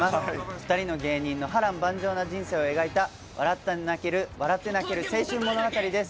２人の芸人の波乱万丈な人生を描いた、笑って泣ける青春物語です。